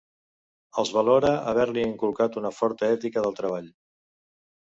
Els valora haver-li inculcat una forta ètica del treball.